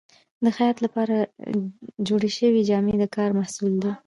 د خیاط لپاره جوړې شوې جامې د کار محصول دي.